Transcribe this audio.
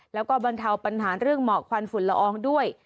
แล้วก็บรรเทาปัญหาเรื่องหมอกควันฝุ่นละอองด้วย